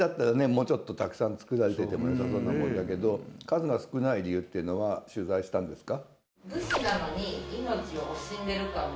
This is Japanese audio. もうちょっとたくさん作られていてもよさそうなもんだけど数が少ない理由っていうのは取材したんですか？